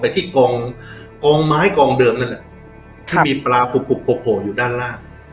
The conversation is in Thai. ที่กองกองไม้กองเดิมนั่นแหละที่มีปลากุบโผล่อยู่ด้านล่าง